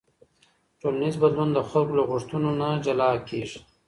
ټولنیز بدلون د خلکو له غوښتنو نه جلا نه کېږي.